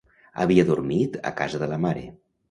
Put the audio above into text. Havia dormit a casa de la mare.